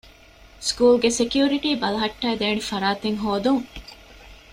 ސްކޫލްގެ ސެކިއުރިޓީ ބަލަހައްޓައިދޭނެ ފަރާތެއް ހޯދުން